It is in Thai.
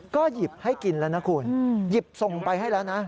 ก็หยิบให้กินแล้วนะคุณหยิบส่งไปให้แล้วนะ